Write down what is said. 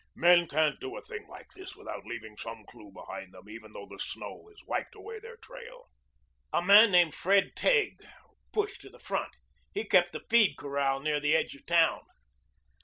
Men can't do a thing like this without leaving some clue behind them even though the snow has wiped away their trail." A man named Fred Tague pushed to the front. He kept a feed corral near the edge of town.